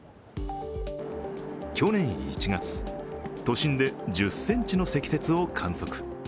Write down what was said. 去年１月、都心で１０ｃｍの積雪を観測。